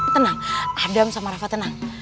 tenang adam sama rafa tenang